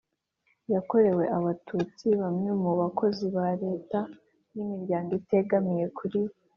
yakorewe Abatutsi bamwe mu bakozi ba Leta n imiryango itegamiye kuri